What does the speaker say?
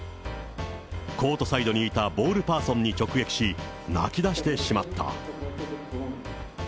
コートサイドにいたボールパーソンに直撃し、泣き出してしまった。